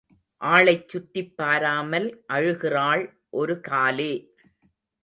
ஆளைச் சுற்றிப் பாராமல் அழுகிறாள் ஒரு காலே.